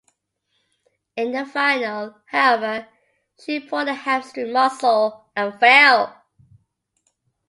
In the final, however, she pulled a hamstring muscle and fell.